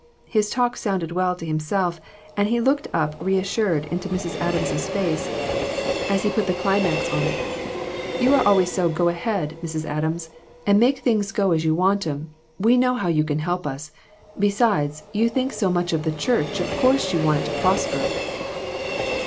His talk sounded well to himself, and he looked up reassured into Mrs. Adams' face as he PERSECUTION OF THE SAINTS. IQI put the climax on it " You are always so go ahead, Mrs. Adams, and make things go as you want 'em, we know you can help us. Besides, you think so much of the church of course you want it to prosper."